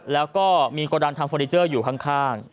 แล้วก็มีกระดังทำเฟอร์นิเจอร์อยู่ข้าง